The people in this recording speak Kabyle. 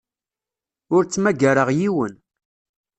Ur ttmagareɣ yiwen.